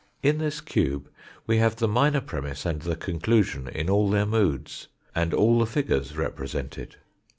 In this cube we have the minor premiss and the conclusion in all their moods, and all the figures represented.